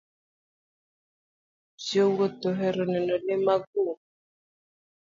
Jowuoth ohero neno le mag bungu.